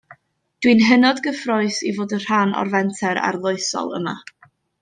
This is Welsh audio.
Dwi'n hynod gyffrous i fod yn rhan o'r fenter arloesol yma